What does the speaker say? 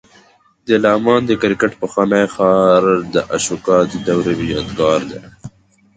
د لغمان د کرکټ پخوانی ښار د اشوکا د دورې یادګار دی